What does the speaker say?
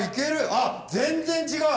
あっ全然違う！